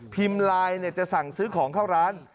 ไลน์จะสั่งซื้อของเข้าร้าน